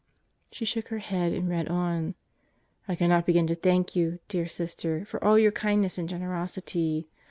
She shook her head and read on: I cannot begin to thank you, dear Sister, for all your kindness and generosity.